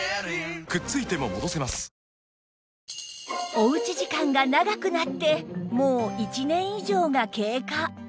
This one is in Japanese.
お家時間が長くなってもう１年以上が経過